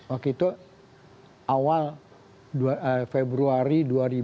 oke itu awal februari dua ribu sembilan belas